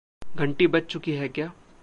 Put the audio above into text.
घंटी बज चुकी है क्या?